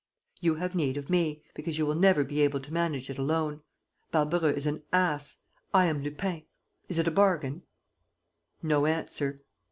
You have need of me, because you will never be able to manage it alone. Barbareux is an ass. I am Lupin. Is it a bargain?" No answer.